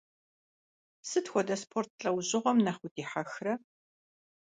Сыт хуэдэ спорт лӏэужьыгъуэм нэхъ удихьэхрэ?